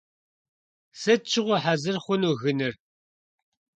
Sıt şığue hezır xhunu gınır?